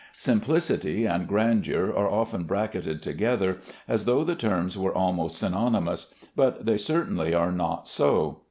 Simplicity and grandeur are often bracketed together as though the terms were almost synonymous; but they certainly are not so.